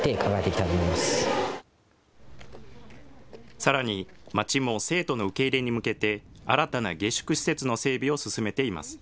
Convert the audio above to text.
さらに、町も生徒の受け入れに向けて、新たな下宿施設の整備を進めています。